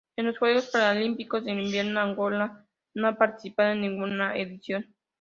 En los Juegos Paralímpicos de Invierno Angola no ha participado en ninguna edición.